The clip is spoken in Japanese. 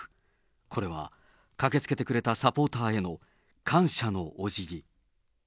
これは、駆けつけてくれたサポーターへの感謝のおじぎ。